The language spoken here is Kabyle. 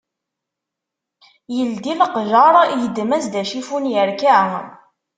Yeldi leqjar, yeddem-as-d acifun yerka